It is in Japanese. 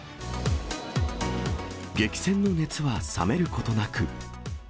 激戦の熱は冷めることなく。